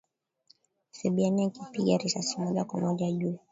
Fabiano akipiga risasi moja kwa moja juu